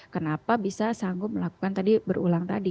kenapa bisa sanggup melakukan tadi berulang tadi